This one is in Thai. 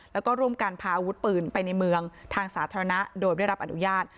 แล้วก็ร่วมกันพาอาวุธปืนไปในเมืองทางสาธารณะโดยไม่รับอนุญาต